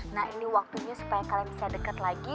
nah ini waktunya supaya kalian bisa deket lagi